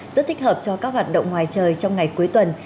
rất thích hợp cho các hoạt động ngoài trời trong ngày cuối tuần